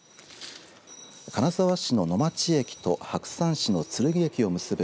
金沢市の野町駅と白山市の鶴来駅を結ぶ